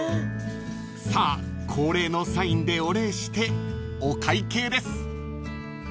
［さあ恒例のサインでお礼してお会計です］